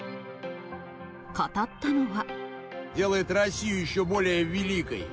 語ったのは。